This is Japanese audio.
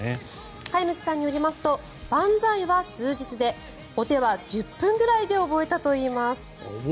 飼い主さんによりますと万歳は数日でお手は１０分くらいで覚えたといいます。